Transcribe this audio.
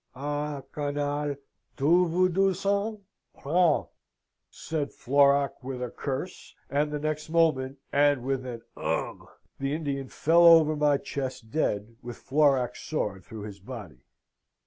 "'Ah, canaille, tu veux du sang? Prends!' said Florac, with a curse; and the next moment, and with an ugh, the Indian fell over my chest dead, with Florac's sword through his body.